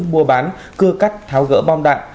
mua bán cưa cắt tháo gỡ bom đạn